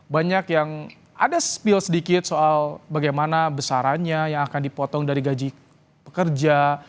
banyak yang ada spill sedikit soal bagaimana besarannya yang akan dipotong dari gaji pekerja